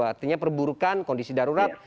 artinya perburukan kondisi darurat